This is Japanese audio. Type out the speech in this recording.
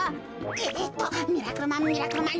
えっとミラクルマンミラクルマン。